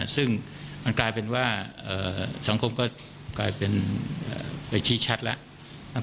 ซึ่งมันกลายเป็นว่าสังคมก็กลายเป็นไปชี้ชัดแล้ว